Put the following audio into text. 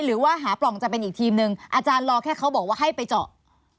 หรือว่าหาปล่องจะเป็นอีกทีมหนึ่งอาจารย์รอแค่เขาบอกว่าให้ไปเจาะ